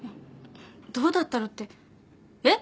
どうだったろってえっ？